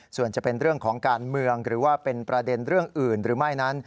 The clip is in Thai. ส่วนจะเป็นเรื่องของการเมืองหรือว่าเป็นประเด็นเรื่องอื่นหรือไม่นั้น